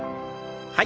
はい。